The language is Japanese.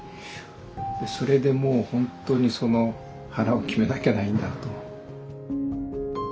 それでもう本当に腹を決めなきゃないんだと。